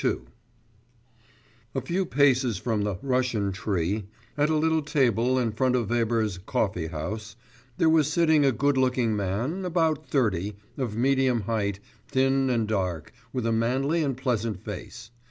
II A few paces from the 'Russian tree,' at a little table in front of Weber's coffee house, there was sitting a good looking man, about thirty, of medium height, thin and dark, with a manly and pleasant face.